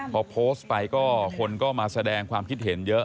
พอโพสต์ไปก็คนก็มาแสดงความคิดเห็นเยอะ